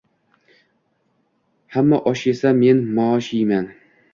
Hamma osh yesa men mosh yeyman